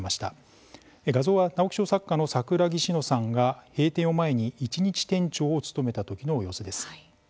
画像は直木賞作家の桜木紫乃さんが閉店を前に一日店長を務めた時の様子です。